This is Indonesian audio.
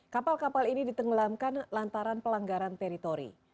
kapal kapal ini ditenggelamkan lantaran pelanggaran teritori